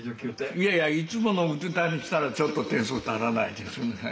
いやいやいつもの歌にしたらちょっと点数足らないですね。